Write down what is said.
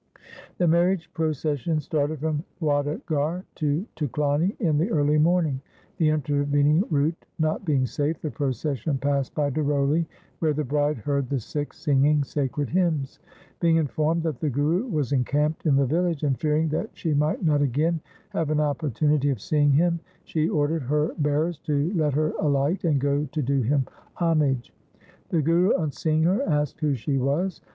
The marriage procession started from Wadaghar to Tuklani in the early morning. The intervening route not being safe, the procession passed by Daroli, where the bride heard the Sikhs singing sacred hymns. Being informed that the Guru was encamped in the village, and fearing that she might not again have an opportunity of seeing him, she ordered her bearers to let her alight and go to do him homage. The Guru on seeing her asked who she was.